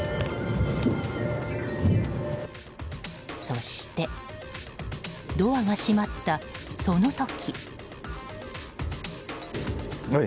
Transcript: そして、ドアが閉まったその時。